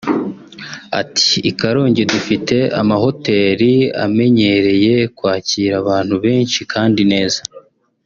Ati “I Karongi dufite amahoteli amenyereye kwakira abantu benshi kandi neza